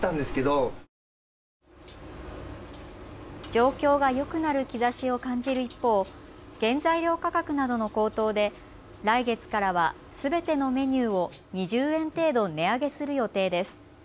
状況がよくなる兆しを感じる一方、原材料価格などの高騰で来月からはすべてのメニューを２０円程度、値上げする予定です。